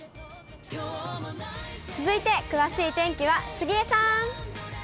続いて、詳しい天気は杉江さん。